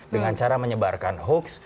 dengan cara menyebarkan hoax